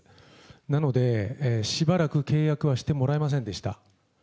なので、しばらく契約はしてもらえませんでした。